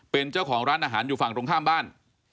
เป็นเจ้าของร้านอาหารอยู่ฝั่งตรงข้ามบ้าน